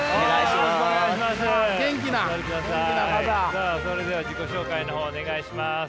さあそれでは自己紹介の方お願いします。